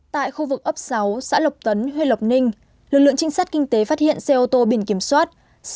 tại khu vực ấp sáu xã lộc tấn huyện lộc ninh lực lượng trinh sát kinh tế phát hiện xe ô tô biển kiểm soát